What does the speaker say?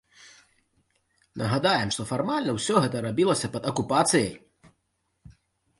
Нагадаем, што фармальна ўсё гэта рабілася пад акупацыяй!